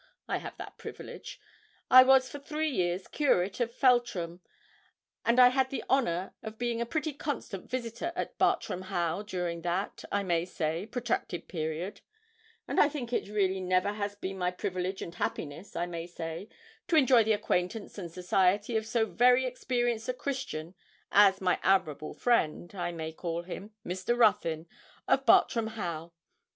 I have that privilege. I was for three years curate of Feltram, and I had the honour of being a pretty constant visitor at Bartram Haugh during that, I may say, protracted period; and I think it really never has been my privilege and happiness, I may say, to enjoy the acquaintance and society of so very experienced a Christian, as my admirable friend, I may call him, Mr. Ruthyn, of Bartram Haugh.